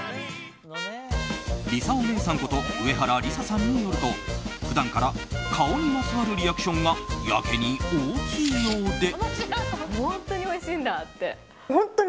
りさおねえさんこと上原りささんによると普段から顔にまつわるリアクションがやけに大きいようで。